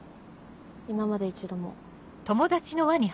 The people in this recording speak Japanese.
今まで一度も。